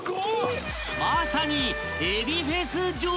［まさに］